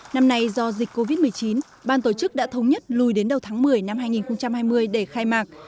năm nay do dịch covid một mươi chín ban tổ chức đã thống nhất lùi đến đầu tháng một mươi năm hai nghìn hai mươi để khai mạc